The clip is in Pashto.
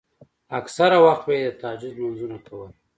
اکثره وخت به يې د تهجد لمونځونه کول.